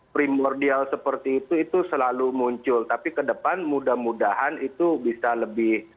primordial seperti itu itu selalu muncul tapi ke depan mudah mudahan itu bisa lebih